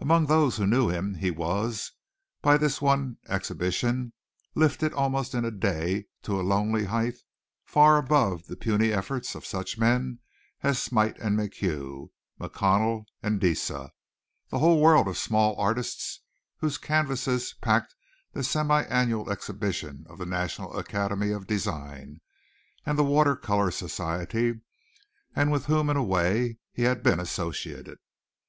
Among those who knew him he was, by this one exhibition, lifted almost in a day to a lonely height, far above the puny efforts of such men as Smite and MacHugh, McConnell and Deesa, the whole world of small artists whose canvases packed the semi annual exhibition of the National Academy of Design and the Water color society, and with whom in a way, he had been associated.